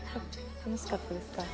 楽しかったですか？